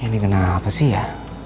ini kenapa sih ya